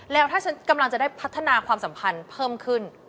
แล้วถ้าฉันกำลังจะได้พัฒนาความสัมพันธ์เพิ่มขึ้น